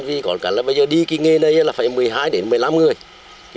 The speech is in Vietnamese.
vì có cái là bây giờ đi cái nghề này là phải một mươi hai đến một mươi năm người